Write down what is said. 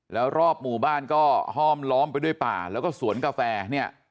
แล้วรอบหมู่บ้านก็ห้อมล้อมไปด้วยป่าแล้วก็สวนกาแฟเนี่ย